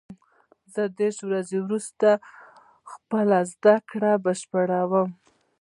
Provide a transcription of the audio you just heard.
زه دېرش ورځې وروسته خپله زده کړه بشپړوم.